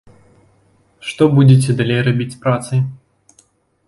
Што будзеце далей рабіць з працай?